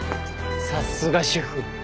さすが主婦。